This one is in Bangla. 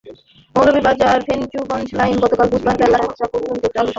মৌলভীবাজার-ফেঞ্চুগঞ্জ লাইন গতকাল বুধবার বেলা একটা পর্যন্ত চালু করা সম্ভব হয়নি।